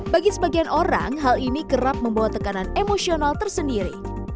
bagi sebagian orang hal ini kerap membawa tekanan emosional tersendiri